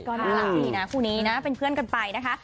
ก็น่ารักดีนะคู่นี้นะเป็นเพื่อนกันไปนะคะ